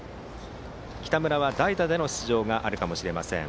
北村は代打での出場があるかもしれません。